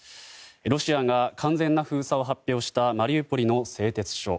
ロシアが完全な封鎖を発表したマリウポリの製鉄所。